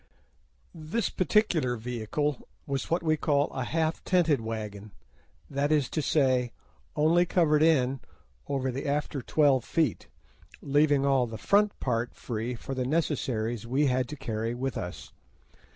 This particular vehicle was what we call a "half tented" wagon, that is to say, only covered in over the after twelve feet, leaving all the front part free for the necessaries we had to carry with us.